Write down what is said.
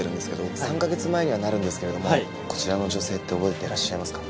３カ月前にはなるんですけれどもこちらの女性って覚えていらっしゃいますか？